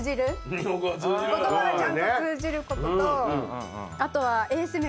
言葉がちゃんと通じることとあとは。